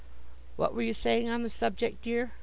What were you saying on the subject, dear?